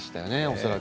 恐らく。